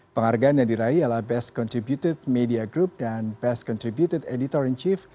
penghargaan yang diraih adalah best contributed media group dan best contributed editor in chief